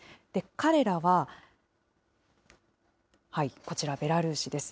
彼らは、こちら、ベラルーシです。